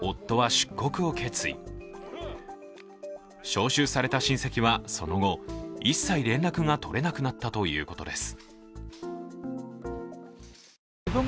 招集された親戚はその後、一切連絡が取れなくなったということです。